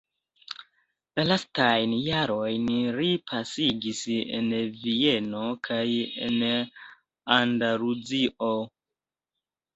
La lastajn jarojn li pasigis en Vieno kaj en Andaluzio.